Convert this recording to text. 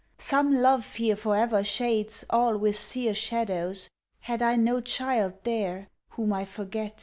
Some love fear for ever shades All with sere shadows Had I no child there whom I forget?"